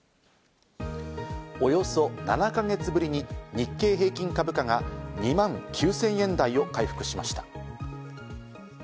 およそ７か月ぶりに日経平均株価が２万９０００円台を回復しました。